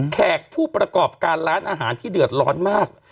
แขกผู้ประกอบการร้านอาหารที่เดือดร้อนมาก